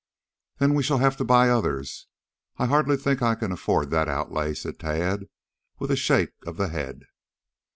"Then we shall have to buy others. I hardly think I can afford that outlay," said Tad, with a shake of the head.